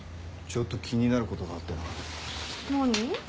ちょっと気になることがあってな。何？